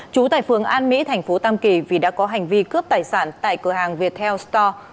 trú tại phường an mỹ thành phố tam kỳ vì đã có hành vi cướp tài sản tại cửa hàng viettel store